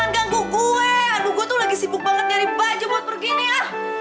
gue aduh gue tuh lagi sibuk banget nyari baju buat begini ya